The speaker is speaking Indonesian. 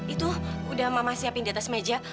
itu udah mama siapin di atas meja